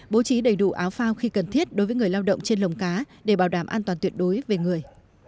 bố trí đầy đủ áo phao khi cần thiết đối với người lao động trên lồng cá để bảo đảm an toàn tuyệt đối về người